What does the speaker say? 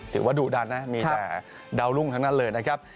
ถือว่าดุดันนะมีแต่ดาวรุ่งทั้งนั้นเลยนะครับ